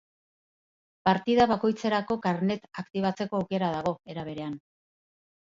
Partida bakoitzerako karnet aktibatzeko aukera dago, era berean.